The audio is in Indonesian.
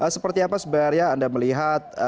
seperti apa sebenarnya anda melihat